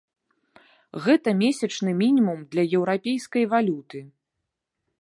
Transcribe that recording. Гэта месячны мінімум для еўрапейскай валюты.